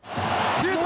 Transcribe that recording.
シュート！